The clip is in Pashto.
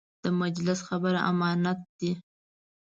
د مجلس خبره امانت دی.